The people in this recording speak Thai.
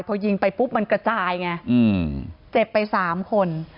พอยิงไปปุ๊บมันกระจายไงเจ็บไปสามคน